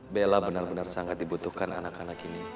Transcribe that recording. bella benar benar sangat dibutuhkan anak anak ini